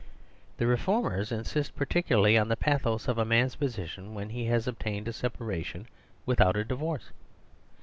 The reformers insist particularly on the pathos of a man's position when he has obtained a separation without a divorce.